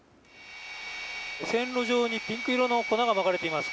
線路上にピンク色の粉がまかれています。